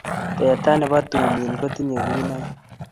Teta nebo tumin kotinyei kuinoik